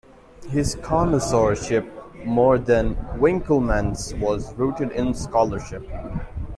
His connoisseurship, more than Winckelmann's, was rooted in scholarship.